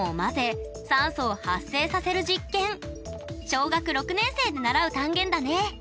小学６年生で習う単元だね。